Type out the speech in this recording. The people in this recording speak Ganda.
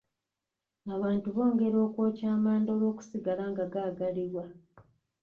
Abantu bongera okwokya amanda olw'okusigala nga gaagalibwa.